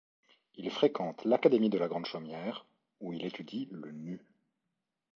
Il fréquente l’Académie de la Grande Chaumière, où il étudie le nu.